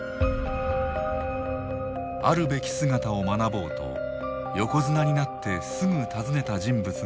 あるべき姿を学ぼうと横綱になってすぐ訪ねた人物がいる。